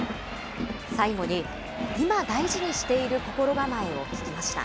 最後に今大事にしている心構えを聞きました。